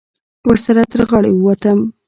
ورسره تر غاړې ووتم.